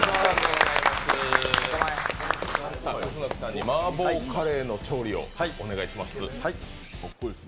楠さんに麻婆カレーの調理をお願いします。